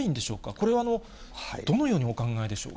これは、どのようにお考えでしょう？